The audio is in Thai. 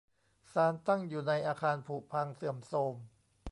ศาลตั้งอยู่ในอาคารผุพังเสื่อมโทรม